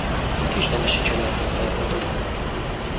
Kisnemesi családból származott.